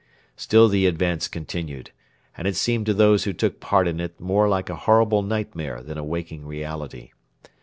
Still the advance continued, and it seemed to those who took part in it more like a horrible nightmare than a waking reality.